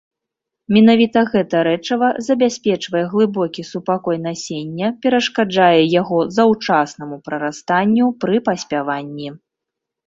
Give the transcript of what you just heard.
Менавіта гэта рэчыва забяспечвае глыбокі супакой насення, перашкаджае яго заўчаснаму прарастанню пры паспяванні.